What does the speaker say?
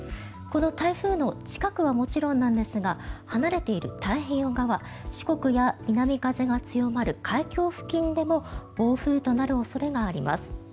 この台風の近くはもちろんなんですが離れている太平洋側四国や南風が強まる海峡付近でも暴風となる恐れがあります。